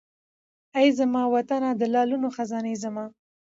اې زما وطنه د لالونو خزانې زما